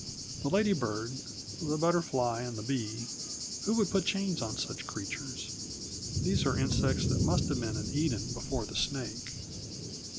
The ladybird, the butterfly, and the bee who would put chains upon such creatures? These are insects that must have been in Eden before the snake.